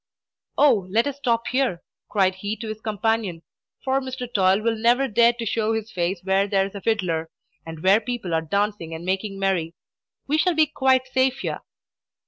"Oh, let us stop here," cried he to his companion; "for Mr. Toil will never dare to show his face where there is a fiddler, and where people are dancing and making merry. We shall be quite safe here!"